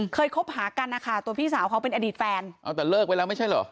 คบหากันนะคะตัวพี่สาวเขาเป็นอดีตแฟนเอาแต่เลิกไปแล้วไม่ใช่เหรอ